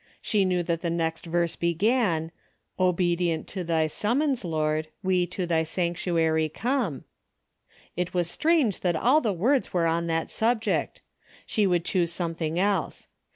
She knew that the next verse began : ''Obedient to thy summons, Lord, We to thy sanctuary come ;" It was strange that all the words were on that subject. She would choose something else.